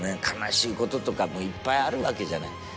悲しいこととかもいっぱいあるわけじゃない。